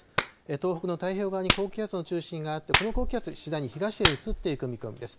東北の太平洋側に高気圧の中心があって、この高気圧、次第に東へ移っていく見込みです。